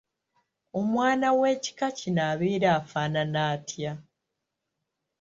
Omwana w'ekika kino abeera afaanana atya?